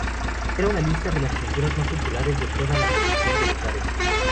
Era una de las pinturas más populares de toda la colección de los zares.